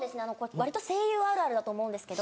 声優あるあるだと思うんですけど。